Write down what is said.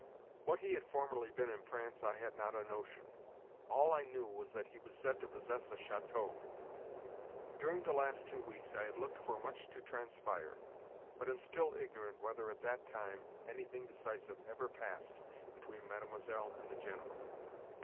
What he had formerly been in France I had not a notion. All I knew was that he was said to possess a château. During the last two weeks I had looked for much to transpire, but am still ignorant whether at that time anything decisive ever passed between Mademoiselle and the General.